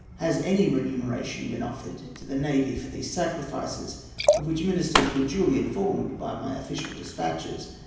Has any remuneration been offered to the navy for these sacrifices, of which ministers were duly informed by my official despatches?